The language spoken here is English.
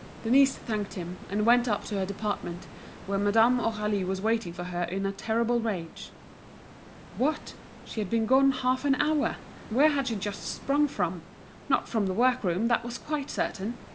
Denise thanked him, and went up to her department, where Madame Aurélie was waiting for her in a terrible rage. What! she had been gone half an hour! Where had she just sprung from? Not from the work room, that was quite certain!